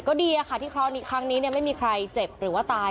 ก็ดีค่ะที่ครั้งนี้ไม่มีใครเจ็บหรือว่าตาย